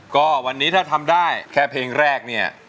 ก็วันนี้ถ้าทำได้แค่เพลงแรกเนี่ย